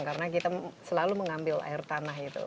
karena kita selalu mengambil air tanah itu